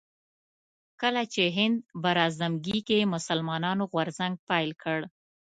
کله چې هند براعظمګي کې مسلمانانو غورځنګ پيل کړ